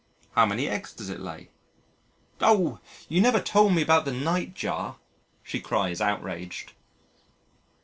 "How many eggs does it lay?" "Oh! you never told me about the Nightjar," she cried outraged.